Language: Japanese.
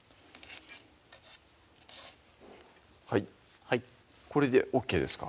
はいこれでＯＫですか？